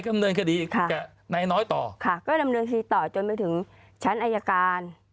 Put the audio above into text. ดำเนินคดีค่ะกับนายน้อยต่อค่ะก็ดำเนินคดีต่อจนไปถึงชั้นอายการ